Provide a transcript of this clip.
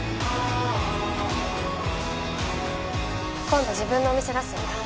今度自分のお店出すんだ。